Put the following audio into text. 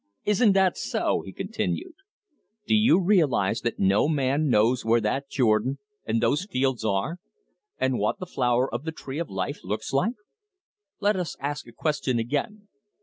"Isn't that so?" he continued. "Do you realise that no man knows where that Jordan and those fields are, and what the flower of the tree of life looks like? Let us ask a question again.